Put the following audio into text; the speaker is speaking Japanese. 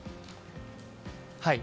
はい。